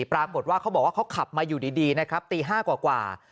ปรากฏว่าเขาบอกว่าเขาขับมาอยู่ดีนะครับตี๕กว่า